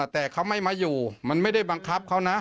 แต่เขาไม่มาอยู่มันไม่ได้บังคับเขานะ